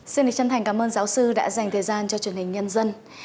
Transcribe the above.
xin chân thành cảm ơn giáo sư đã dành thời gian cho truyền hình nhân dân